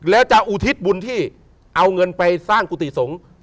แล้วจะอุทิศบุญที่เอาเงินไปสร้างกุฏิสงฆ์